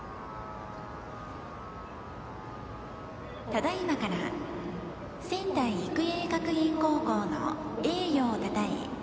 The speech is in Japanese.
ただいまから仙台育英学園高校の栄誉をたたえ